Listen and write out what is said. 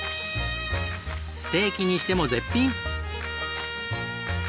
ステーキにしても絶品！